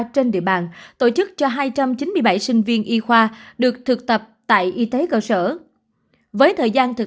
trên địa bàn tổ chức cho hai trăm chín mươi bảy sinh viên y khoa được thực tập tại y tế cơ sở với thời gian thực